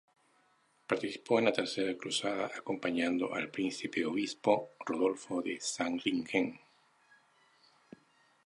Participó en la Tercera cruzada, acompañando al príncipe-obispo Rodolfo de Zähringen.